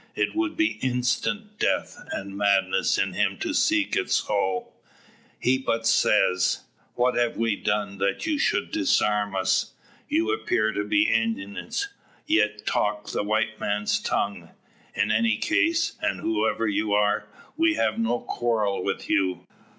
It would be instant death, and madness in him to seek it so. He but says: "What have we done, that you should disarm us? You appear to be Indians, yet talk the white man's tongue. In any case, and whoever you are, we have no quarrel with you.